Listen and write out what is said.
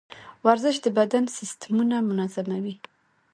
ورزش د بدن سیستمونه منظموي.